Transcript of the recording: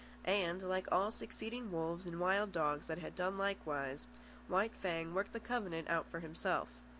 And, like all succeeding wolves and wild dogs that had done likewise, White Fang worked the covenant out for himself.